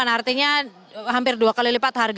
lima puluh delapan artinya hampir dua kali lipat hari ini